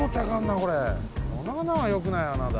この穴はよくない穴だ。